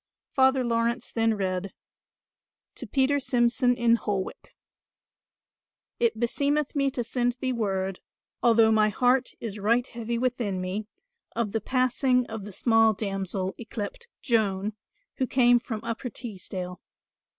Father Laurence then read "To Peter Simson in Holwick "It beseemeth me to send thee word, although my heart is right heavy within me, of the passing of the small damsel y cleped Joan, who came from Upper Teesdale.